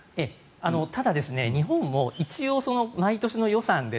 ただ、日本も一応毎年の予算で